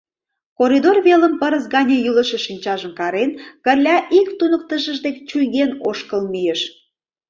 Коридор велым, пырыс гане йӱлышӧ шинчажым карен, Кырля ик туныктышыж дек чуйген ошкыл мийыш.